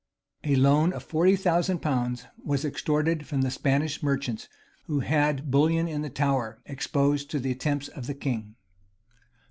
[] A loan of forty thousand pounds was extorted from the Spanish merchants, who had bullion in the Tower exposed to the attempts of the king.